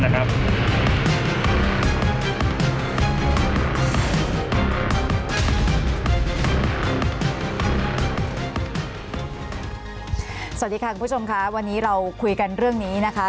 สวัสดีค่ะคุณผู้ชมค่ะวันนี้เราคุยกันเรื่องนี้นะคะ